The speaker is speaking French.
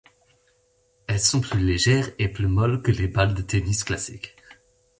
Elles sont plus légères et plus molles que les balles de tennis classiques.